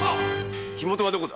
火元はどこだ